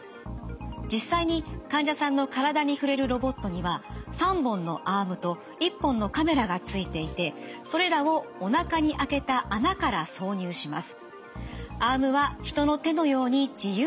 実際に患者さんの体に触れるロボットには３本のアームと１本のカメラがついていてそれらをおなかに開けた穴から挿入します。